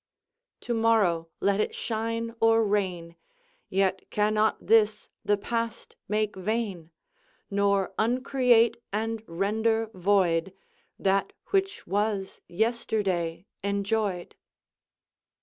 "To morrow, let it shine or rain, Yet cannot this the past make vain: Nor uncreate and render void That which was yesterday enjoyed."